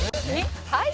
「はい。